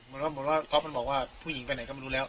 เหมือนว่าก๊อฟมันบอกว่าผู้หญิงไปไหนก็ไม่รู้แล้ว